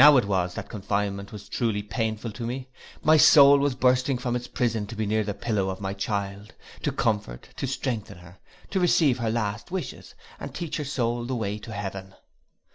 Now it was, that confinement was truly painful to me; my soul was bursting from its prison to be near the pillow of my child, to comfort, to strengthen her, to receive her last wishes, and teach her soul the way to heaven!